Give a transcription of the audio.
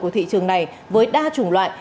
của thị trường này với đa chủng loại